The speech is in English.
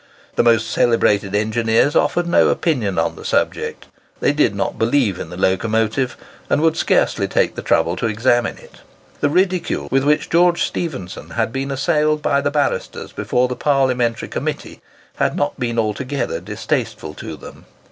The most celebrated engineers offered no opinion on the subject. They did not believe in the locomotive, and would scarcely take the trouble to examine it. The ridicule with which George Stephenson had been assailed by the barristers before the Parliamentary Committee had not been altogether distasteful to them.